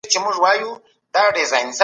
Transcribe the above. د جرګې مهالوېش څوک جوړوي؟